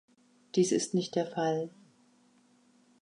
Dies ist nicht der Fall..